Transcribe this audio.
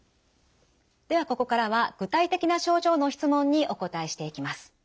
ではここからは具体的な症状の質問にお答えしていきます。